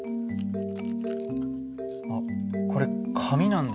あっこれ紙なんだ。